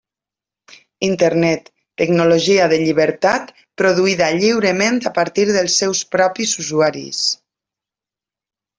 Internet, tecnologia de llibertat, produïda lliurement a partir dels seus propis usuaris.